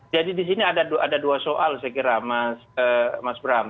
jadi di sini ada dua soal saya kira mas bram